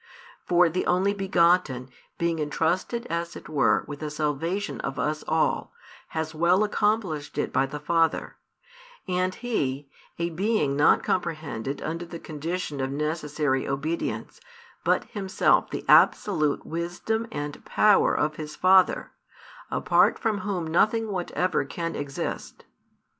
For the Only begotten, being entrusted as it were with the salvation of us all, has well accomplished it by the Father, and He a Being not comprehended under the condition of necessary obedience, but Himself the absolute wisdom and power of His Father, apart from Whom nothing whatever can |392 exist.